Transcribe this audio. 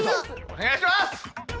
お願いします！